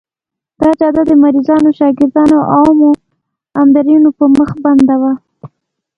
دا جاده د مریضانو، شاګردانو او عامو عابرینو پر مخ بنده وه.